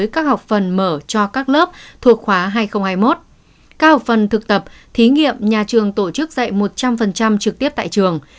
các học phần thực tập thí nghiệm nhà trường tổ chức dạy một trăm linh trực tiếp tại trường